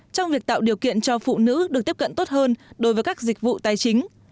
trong việc tạo điều kiện cho phụ nữ được tiếp cận tốt hơn đối với các dịch vụ tài chính